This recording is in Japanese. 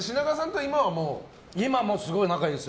今はすごい仲いいですね。